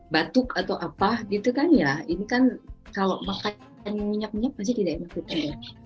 batuk atau apa gitu kan ya ini kan kalau makan minyak minyak pasti tidak enak gitu ya